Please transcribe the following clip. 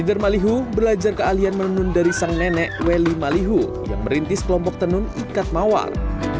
eder malihu belajar kealian menenun dari sang nenek weli malihu yang merintis kelompok tenun ikat mawar